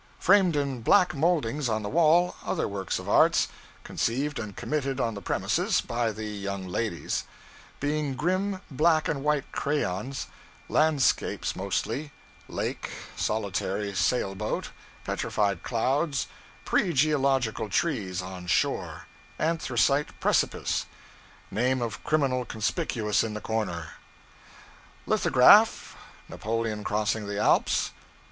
Framed in black moldings on the wall, other works of arts, conceived and committed on the premises, by the young ladies; being grim black and white crayons; landscapes, mostly: lake, solitary sail boat, petrified clouds, pre geological trees on shore, anthracite precipice; name of criminal conspicuous in the corner. Lithograph, Napoleon Crossing the Alps.